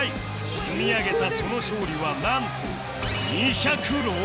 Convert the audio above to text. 積み上げたその勝利はなんと